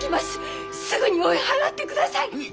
すぐに追い払ってください。